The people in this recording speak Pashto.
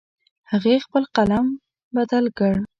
هغې خپل قلم بدل کړ